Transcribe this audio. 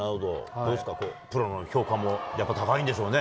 どうですか、プロの評価もやっぱ高いんでしょうね。